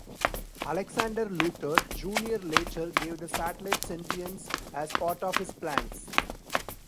Alexander Luthor, Junior later gave the satellite sentience as part of his plans.